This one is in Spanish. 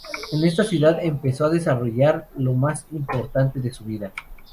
En esta ciudad, empezó a desarrollar lo más importante de su vida.